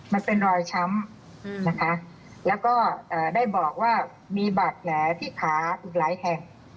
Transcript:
มันเป็นรอยช้ำนะคะแล้วก็ได้บอกว่ามีบาดแผลที่ขาอีกหลายแห่ง